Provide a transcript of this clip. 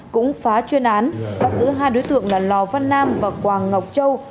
cũng phá chuyên án bắt giữ hai đối tượng là lò văn nam và quang ngọc châu